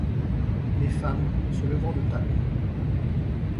Les femmes, se levant de table.